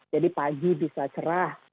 jadi pagi bisa cerah